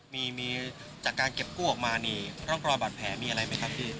มีจากการเก็บกู้ออกมานี่ร่องรอยบาดแผลมีอะไรไหมครับพี่